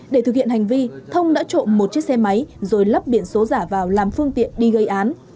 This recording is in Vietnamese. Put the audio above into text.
để thực hiện hành vi thông đã trộm một chiếc xe máy rồi lắp biển số giả vào làm phương tiện đi gây án